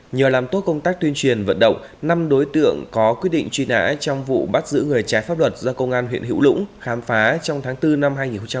nhờ làm tốt công tác tuyên truyền vận động năm đối tượng có quyết định truy nã trong vụ bắt giữ người trái pháp luật do công an huyện hữu lũng khám phá trong tháng bốn năm hai nghìn hai mươi ba